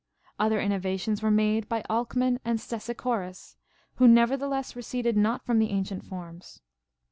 Other innovations were also made by Alkman and Stesichorus, who nevertheless receded not from the ancient foi'ms.